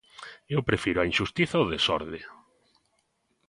Eu prefiro a inxustiza ao desorde.